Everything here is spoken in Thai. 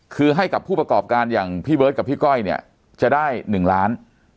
คือให้กับผู้ประกอบการอย่างพี่เบิร์ตกับพี่ก้อยเนี่ยจะได้๑ล้าน